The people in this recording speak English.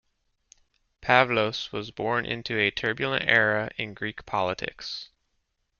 Pavlos was born into a turbulent era in Greek politics.